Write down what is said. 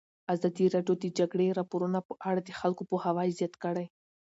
ازادي راډیو د د جګړې راپورونه په اړه د خلکو پوهاوی زیات کړی.